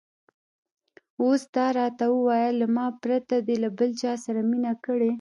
اوس دا راته ووایه، له ما پرته دې له بل چا سره مینه کړې؟